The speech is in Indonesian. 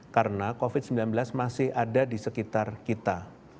karena covid sembilan belas masih ada di sekitar kita